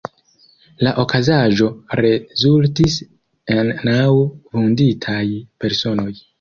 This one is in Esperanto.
La okazaĵo rezultis en naŭ vunditaj personoj.